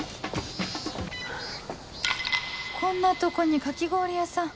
こんなとこにかき氷屋さん